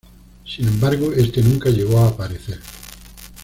Sin embargo, este nunca llegó a aparecer.